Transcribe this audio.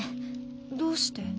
どうして？